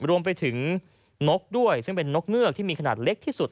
รวมไปถึงนกด้วยซึ่งเป็นนกเงือกที่มีขนาดเล็กที่สุด